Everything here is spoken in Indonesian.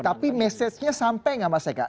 tapi message nya sampai nggak mas eka